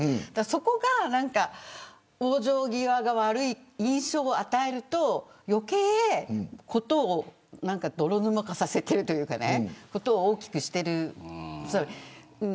そこが往生際が悪い印象を与えると余計に事を泥沼化させるというか事を大きくしている。